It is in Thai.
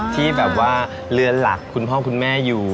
ที่แบบว่าเรือนหลักคุณพ่อคุณแม่อยู่